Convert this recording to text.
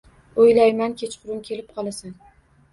O’ylayman, kechqurun kelib qolasan.